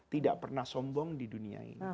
tidak pernah sombong di dunia ini